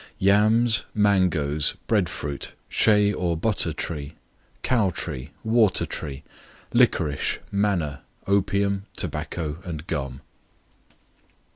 YAMS, MANGOES, BREAD FRUIT, SHEA OR BUTTER TREE, COW TREE, WATER TREE, LICORICE, MANNA, OPIUM, TOBACCO, AND GUM.